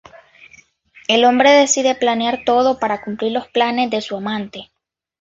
El hombre decide planear todo para cumplir los planes de su amante.